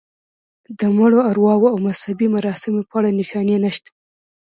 د مړو ارواوو او مذهبي مراسمو په اړه نښانې نشته.